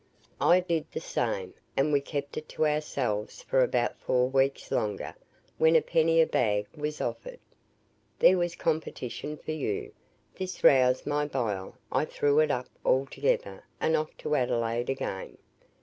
I did the same, and we kept it to ourselves for about four weeks longer, when a penny a bag was offered. There was competition for you! This roused my bile I threw it up altogether and off to Adelaide again.